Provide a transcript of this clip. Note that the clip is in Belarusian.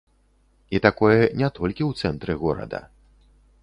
І такое не толькі ў цэнтры горада.